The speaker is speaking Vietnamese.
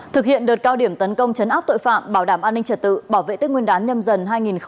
thực hiện đợt cao điểm tấn công chấn áp tội phạm bảo đảm an ninh trật tự bảo vệ tích nguyên đán nhầm dần hai nghìn hai mươi hai